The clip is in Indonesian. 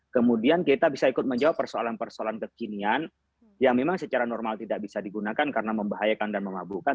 kemudian kita bisa ikut menjawab persoalan persoalan kekinian yang memang secara normal tidak bisa digunakan karena membahayakan dan memabukkan